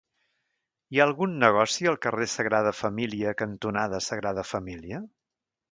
Hi ha algun negoci al carrer Sagrada Família cantonada Sagrada Família?